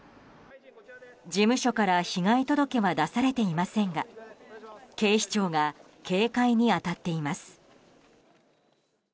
事務所から被害届は出されていませんが警視庁が警戒に当たっています。